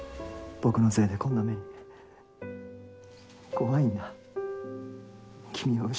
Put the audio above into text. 僕のせいでこんな目に。